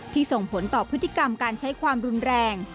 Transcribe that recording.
ส่งผลต่อพฤติกรรมการใช้ความรุนแรง